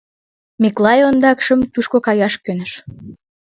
Миклай ондакшым тушко каяш кӧныш.